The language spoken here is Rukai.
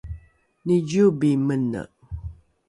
niciobi mene